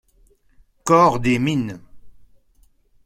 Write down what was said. Corps des mines.